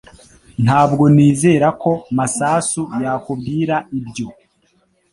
Ntabwo nizera ko Masasu yakubwira ibyo